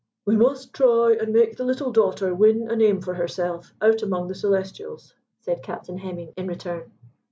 "We must try and make the little daughter win a name for herself out among the Celestials," said Captain Hemming in return.